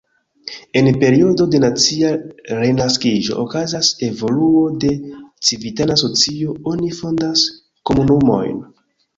En periodo de nacia renaskiĝo okazas evoluo de civitana socio, oni fondas komunumojn.